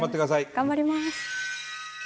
頑張ります！